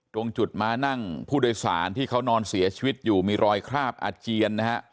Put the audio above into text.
ตรงจุดม้านั่งผู้โดยสารที่เขานอนเสียชีวิตอยู่มีรอยคราบอาเจียนนะฮะ